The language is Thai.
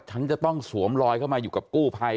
ฉันจะต้องสวมลอยเข้ามาอยู่กับกู้ภัย